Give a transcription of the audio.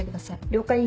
了解。